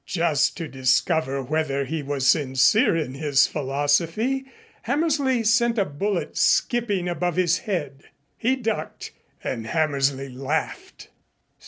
Just to discover whether he was sincere in his philosophy, Hammersley sent a bullet skipping above his head. He ducked and Hammersley laughed.